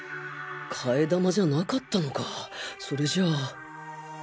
替え玉じゃなかったのかそれじゃあ